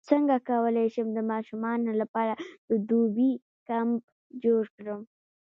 څنګه کولی شم د ماشومانو لپاره د دوبي کمپ جوړ کړم